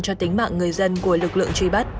cho tính mạng người dân của lực lượng truy bắt